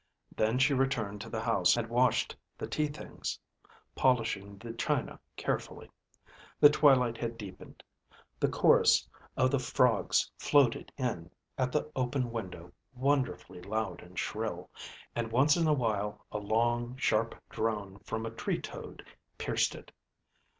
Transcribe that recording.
Then she returned to the house and washed the tea things, polishing the china carefully. The twilight had deepened; the chorus of the frogs floated in at the open window wonderfully loud and shrill, and once in a while a long sharp drone from a tree toad pierced it.